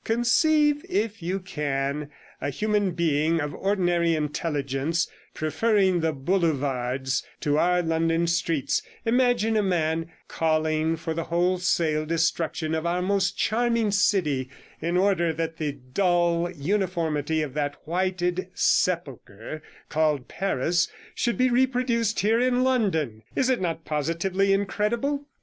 Conceive if you can a human being of ordinary intelligence preferring the Boulevards to our London streets; imagine a man calling for the wholesale destruction of our most charming city, in order that the dull uniformity of that whited sepulchre called Paris should be reproduced here in London. Is it not positively incredible?'